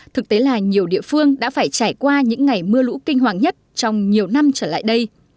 thực tế là nhiều địa phương đã phải trải qua những ngày mưa lũ kinh hoàng nhất trong nhiều năm trở lại đây